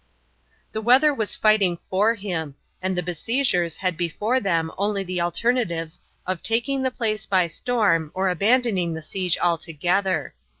The weather was fighting for him, and the besiegers had before them only the alternatives of taking the place by storm or abandoning the siege altogether.